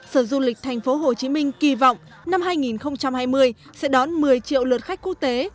sở du lịch tp hcm kỳ vọng năm hai nghìn hai mươi sẽ đón một mươi triệu lượt khách quốc tế